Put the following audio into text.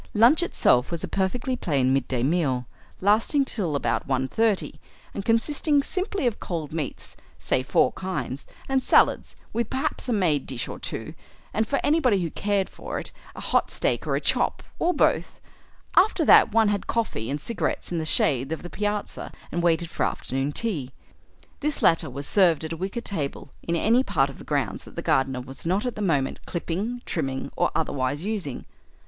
Lunch itself was a perfectly plain midday meal, lasting till about 1.30, and consisting simply of cold meats (say four kinds) and salads, with perhaps a made dish or two, and, for anybody who cared for it, a hot steak or a chop, or both. After that one had coffee and cigarettes in the shade of the piazza and waited for afternoon tea. This latter was served at a wicker table in any part of the grounds that the gardener was not at that moment clipping, trimming, or otherwise using.